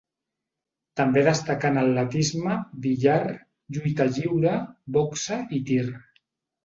També destacà en atletisme, billar, lluita lliure, boxa i tir.